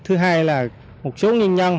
thứ hai là một số nhân nhân